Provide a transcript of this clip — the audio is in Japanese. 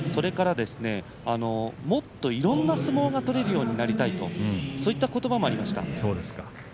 それから、もっといろんな相撲が取れるようになりたいとそういったことばもありました。